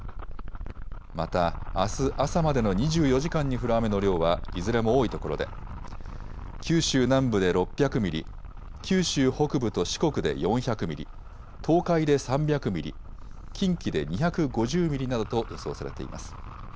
またあす朝までの２４時間に降る雨の量はいずれも多いところで九州南部で６００ミリ、九州北部と四国で４００ミリ、東海で３００ミリ、近畿で２５０ミリなどと予想されています。